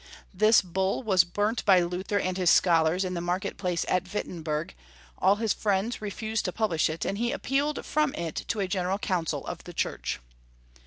This bull was burnt by Luther and his scholars in the market place at Wittenberg, all his friends refused to publish it, and he appealed from it to a General Council of the Church.